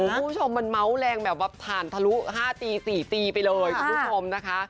คุณผู้ชมมันเมาส์แรงแบบว่าผ่านทะลุ๕ตี๔ตีไปเลยคุณผู้ชมนะคะ